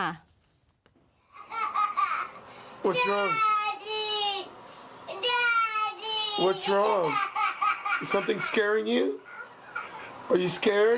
แมมมี่แมมมี่